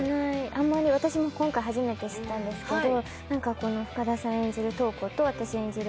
私も今回初めて知ったんですけど、深田さん演じる瞳子と私演じる